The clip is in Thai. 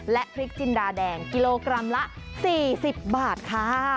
และพริกจินดาแดงกิโลกรัมละ๔๐บาทค่ะ